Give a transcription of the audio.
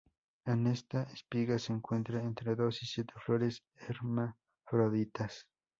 En esta espiga se encuentran entre dos y siete flores hermafroditas.